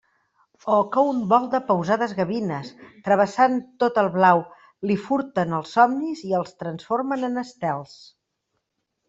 O que un vol de pausades gavines, travessant tot el blau, li furten els somnis i els transformen en estels.